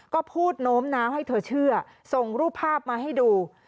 ก็พูดโน้มน้าวให้เธอเชื่อส่งรูปภาพมาให้ดู